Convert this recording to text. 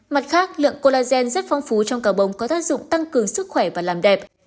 mặt khác lượng collagen rất phong phú trong cá bống có tác dụng tăng cường sức khỏe và làm đẹp